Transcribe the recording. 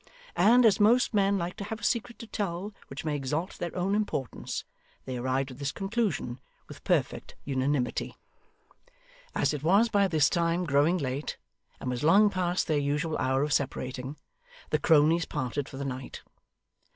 And as most men like to have a secret to tell which may exalt their own importance, they arrived at this conclusion with perfect unanimity. As it was by this time growing late, and was long past their usual hour of separating, the cronies parted for the night.